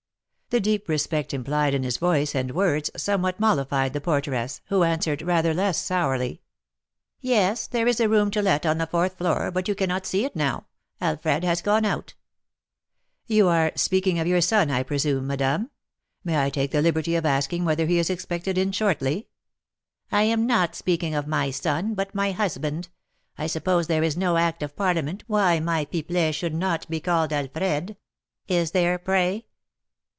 The deep respect implied in his voice and words somewhat mollified the porteress, who answered, rather less sourly: [Illustration: "This Individual Was Seated by the Stove" Original Etching by Adrian Marcel] "Yes, there is a room to let on the fourth floor, but you cannot see it now, Alfred has gone out." "You are speaking of your son, I presume, madame; may I take the liberty of asking whether he is expected in shortly?" "I am not speaking of my son, but my husband. I suppose there is no act of parliament why my Pipelet should not be called 'Alfred.' Is there, pray?"